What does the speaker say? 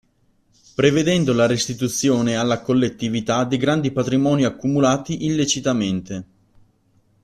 Prevedendo la restituzione alla collettività di grandi patrimoni accumulati illecitamente.